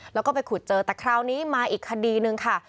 แล้วก็ไปขุดเจอแต่คราวนี้มาอีกคดีหนึ่งค่ะ